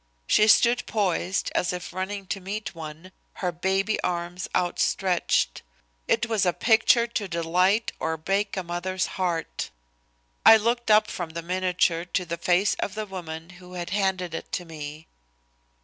She stood poised as if running to meet one, her baby arms outstretched. It was a picture to delight or break a mother's heart. I looked up from the miniature to the face of the woman who had handed it to me.